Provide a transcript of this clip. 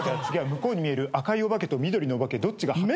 次は向こうに見える赤いお化けと緑のお化けどっちが。